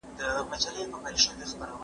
قلم وکاروه!